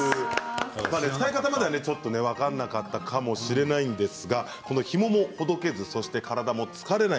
使い方まで分からなかったかもしれないですがひもがほどけず体も疲れない。